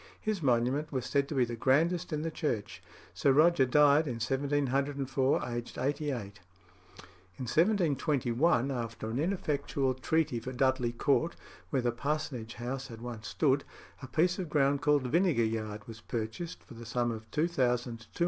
His monument was said to be the grandest in the church. Sir Roger died in 1704, aged eighty eight. In 1721, after an ineffectual treaty for Dudley Court, where the parsonage house had once stood, a piece of ground called Vinegar Yard was purchased for the sum of £2252: 10s.